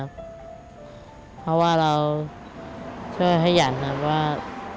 เพราะว่าเราช่วยให้หยันครับว่า